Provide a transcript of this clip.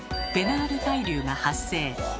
ナール対流が発生。